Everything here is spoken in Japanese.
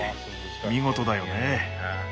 見事だよね。